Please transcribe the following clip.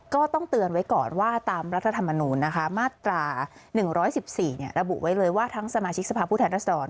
ก็ต้องเตือนไว้ก่อนว่าตามรัฐธรรมนูญนะคะมาตรา๑๑๔ระบุไว้เลยว่าทั้งสมาชิกสภาพผู้แทนรัศดร